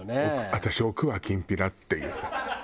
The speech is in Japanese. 「私置くわきんぴら」っていうさ。